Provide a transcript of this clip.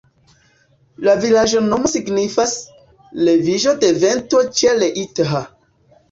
La vilaĝnomo signifas: leviĝo de vento ĉe Leitha.